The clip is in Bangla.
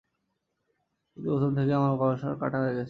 কিন্তুই প্রথম থেকেই আমার গলার কাটা হয়ে আছ।